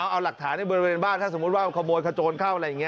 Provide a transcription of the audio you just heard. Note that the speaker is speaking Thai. เอาหลักฐานในบริเวณบ้านถ้าสมมุติว่าขโมยขโจรเข้าอะไรอย่างนี้